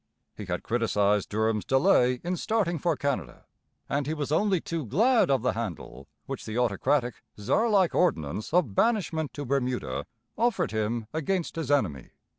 He had criticized Durham's delay in starting for Canada; and he was only too glad of the handle which the autocratic, czar like ordinance of banishment to Bermuda offered him against his enemy.